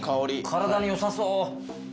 体に良さそう。